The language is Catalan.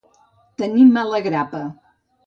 Tenir mala grapa.